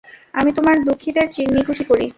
আমি তোমার দুঃখিতের নিকুচি করি।